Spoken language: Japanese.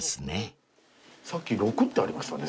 さっき６ってありましたね。